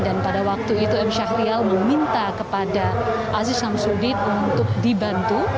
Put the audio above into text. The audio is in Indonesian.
dan pada waktu itu m syahrial meminta kepada aziz syamsuddin untuk dibantu